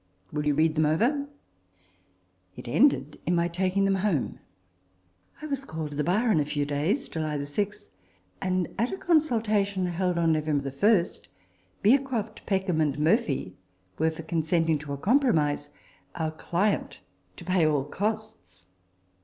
Will you read them over ?" It ended in my taking them home. I was called to the Bar in a few days (July 6) ; and at a consultation held on November i, Bearcroft, Peckham, and Murphy * were for consenting to a compromise ; our client to pay all costs.